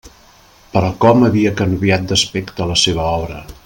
Però com havia canviat d'aspecte la seva obra!